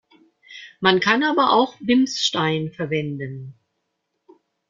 Man kann aber auch Bimsstein verwenden.